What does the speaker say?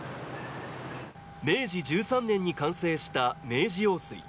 明治１３年に完成した明治用水。